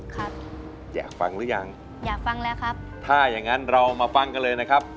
ครับอยากฟังหรือยังอยากฟังแล้วครับถ้าอย่างงั้นเรามาฟังกันเลยนะครับ